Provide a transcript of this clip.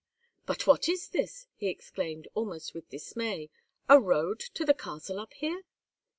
"But what is this?" he exclaimed, almost with dismay. "A road to the castle up here!"